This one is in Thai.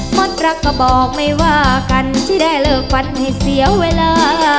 หมดรักก็บอกไม่ว่ากันที่ได้เลิกฟันให้เสียเวลา